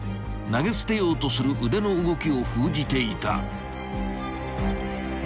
［投げ捨てようとする腕の動きを封じていた］